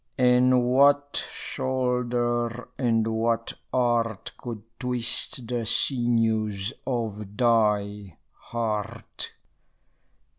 And what shoulder and what art Could twist the sinews of thy heart?